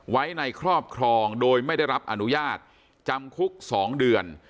ไว้ในครอบครองโดยไม่ได้รับอนุญาตจำคุก๒เดือน